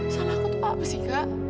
salah aku tuh apa sih kak